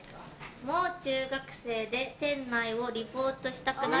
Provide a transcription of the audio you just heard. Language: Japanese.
もう中学生で店内をリポートしたくなるプリンです。